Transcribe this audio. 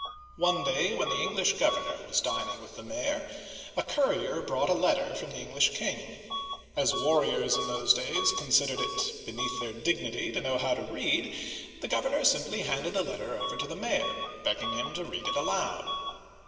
One day, when the Eng lish governor was dining with the mayor, a courier brought a letter from the English king. As warriors in those days Digitized by Google CHARLES V. (1364 1380) 169 considered it beneath their dignity to know how to read, the governor simply handed the letter over to the mayor, begging him to read it aloud.